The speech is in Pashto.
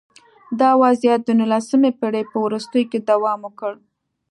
دا وضعیت د نولسمې پېړۍ په وروستیو کې دوام وکړ